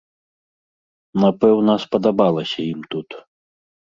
Напэўна, спадабалася ім тут.